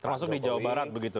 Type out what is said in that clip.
termasuk di jawa barat begitu